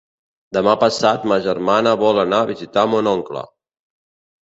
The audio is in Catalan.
Demà passat ma germana vol anar a visitar mon oncle.